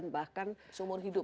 bahkan seumur hidup